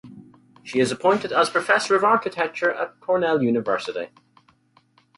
She is appointed as Professor of architecture at Cornell University.